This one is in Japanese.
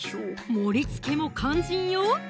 盛りつけも肝心よ！